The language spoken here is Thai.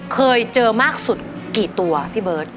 เคยเจอมากสุดกี่ตัวพี่เบิร์ต